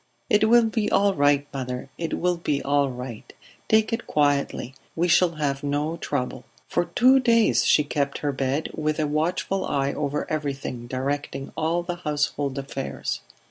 "It will be all right, mother; it will be all right. Take it quietly; we shall have no trouble." For two days she kept her bed, with a watchful eye over everything, directing all the household affairs.